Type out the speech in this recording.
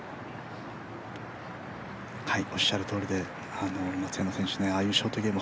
おっしゃるとおりで、松山選手、ああいうショートゲーム